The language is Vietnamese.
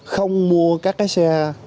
không mua các cái xe